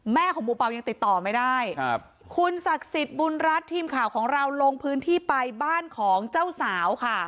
ของหมู่เปล่ายังติดต่อไม่ได้ครับคุณศักดิ์สิทธิ์บุญรัฐทีมข่าวของเราลงพื้นที่ไปบ้านของเจ้าสาวค่ะ